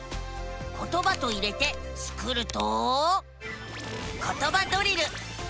「ことば」と入れてスクると「ことばドリル」。